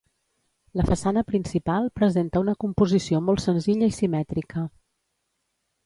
La façana principal presenta una composició molt senzilla i simètrica.